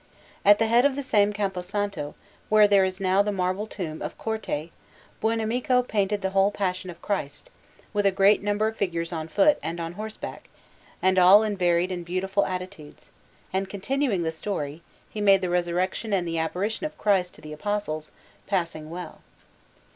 At the head of the same Campo Santo, where there is now the marble tomb of Corte, Buonamico painted the whole Passion of Christ, with a great number of figures on foot and on horseback, and all in varied and beautiful attitudes; and continuing the story he made the Resurrection and the Apparition of Christ to the Apostles, passing well.